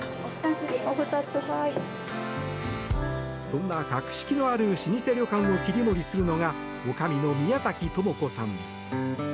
そんな格式のある老舗旅館を切り盛りするのが女将の宮崎知子さん。